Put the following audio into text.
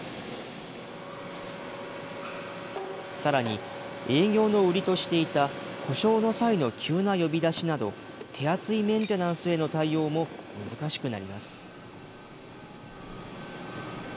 さらに、営業の売りとしていた、故障の際の急な呼び出しなど、手厚いメンテナンスへの対応も難しくなります。